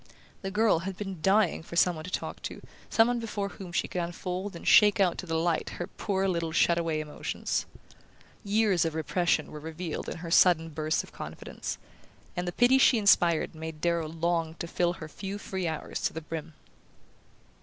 The girl had been dying for some one to talk to, some one before whom she could unfold and shake out to the light her poor little shut away emotions. Years of repression were revealed in her sudden burst of confidence; and the pity she inspired made Darrow long to fill her few free hours to the brim.